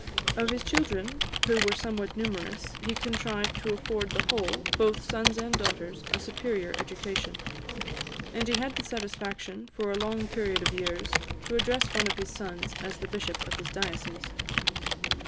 Of his children, who were somewhat numerous he contrived to afford the whole, both sons and daughters, a superior education; and he had the satisfaction, for a long period of years, to address one of his sons as the bishop of his diocese.